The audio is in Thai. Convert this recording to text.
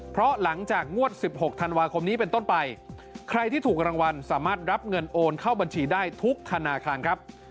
เพราะหลังจากงวด๑๖ธันวาคมนี้เป็นต้นไปใครที่ถูกรางวัลสามารถรับเงินโอนเข้าบัญชีได้ทุกธนาคารครับ